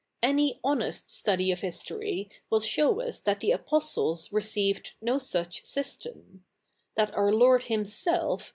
Aiiy honest study of histo?y ivill show us that the Apostles 7'eceived no such sy stent ; that our Lord Himself